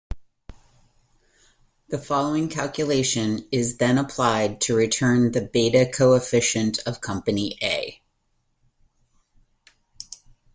The following calculation is then applied to return the beta coefficient of company A.